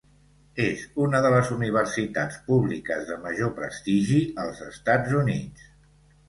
És una de les universitats públiques de major prestigi als Estats Units.